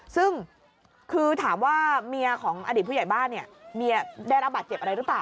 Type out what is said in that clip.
ซึ่งคือถามว่าเมียของอดีตผู้ใหญ่บ้านเนี่ยเมียได้รับบาดเจ็บอะไรหรือเปล่า